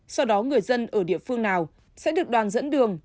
sau đó người dân ở địa phương nào sẽ được đoàn dẫn đường